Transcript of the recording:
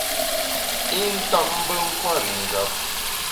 I ntap mbe nkwer i njap.